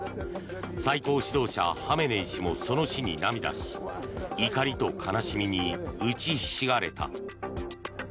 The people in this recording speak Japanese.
最高指導者ハメネイ師もその死に涙し怒りと悲しみに打ちひしがれた。